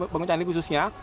bangun candi khususnya